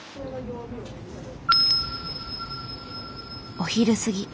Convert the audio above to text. お昼過ぎ。